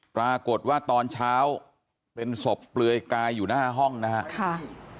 ปรากฏว่าตอนเช้าเป็นศพเปลือยกายอยู่หน้าห้องนะครับ